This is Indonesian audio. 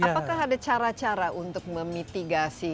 apakah ada cara cara untuk memitigasi